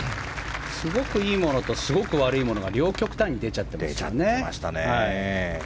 すごくいいものとすごく悪いものが両極端に出ちゃってるね。